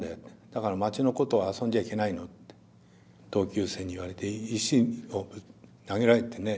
「だから町の子とは遊んじゃいけないの」って同級生に言われて石を投げられてね。